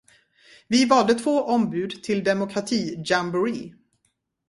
Vi valde två ombud till demokratijamboree.